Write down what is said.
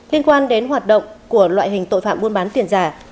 liên quan đến hoạt động của loại hình tội phạm buôn bán tiền giả